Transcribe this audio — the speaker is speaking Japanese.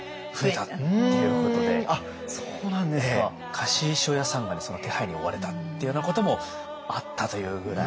貸衣装屋さんがその手配に追われたというようなこともあったというぐらい。